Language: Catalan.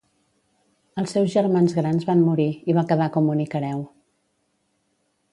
Els seus germans grans van morir i va quedar com únic hereu.